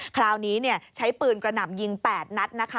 คราวนี้ใช้ปืนกระหน่ำยิง๘นัดนะคะ